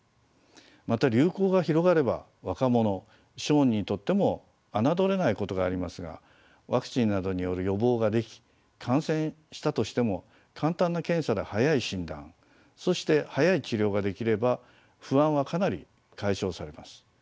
また流行が広がれば若者小児にとっても侮れないことがありますがワクチンなどによる予防ができ感染したとしても簡単な検査で早い診断そして早い治療ができれば不安はかなり解消されます。